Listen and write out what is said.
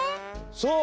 そう。